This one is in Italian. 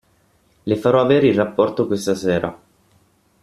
Le farò avere il rapporto questa sera.